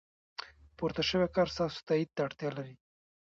پورته شوی کار ستاسو تایید ته اړتیا لري.